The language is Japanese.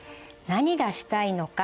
「何がしたいのか？」